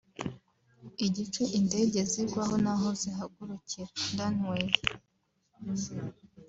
Igice indege zigwaho n’aho zihagurukira (Runway)